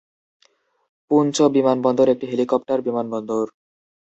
পুঞ্চ বিমানবন্দর একটি হেলিকপ্টার বিমানবন্দর।